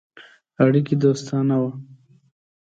اړیکي دوستانه وه.